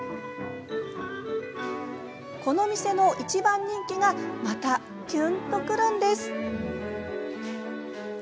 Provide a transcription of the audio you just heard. この店の一番人気がまたきゅんとくるんです。